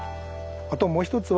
あともう一つは。